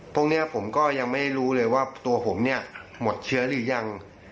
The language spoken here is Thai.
พวกนี้ผมก็ยังไม่รู้เลยว่าตัวผมเนี่ยหมดเชื้อหรือยัง